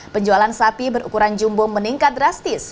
penjualan sapi berukuran jumbo meningkat drastis